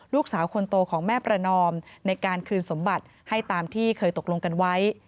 ลูกสาวคนโตของแม่ประนอมในการคืนสมบัติให้ตามที่เคยตกลงกันไว้